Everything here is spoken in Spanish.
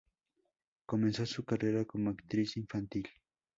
Comenzó su carrera como actriz infantil.